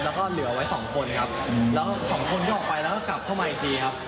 แล้วก็เหลือไว้๒คนครับแล้ว๒คนก็ออกไปแล้วก็กลับเข้ามาไอซีครับ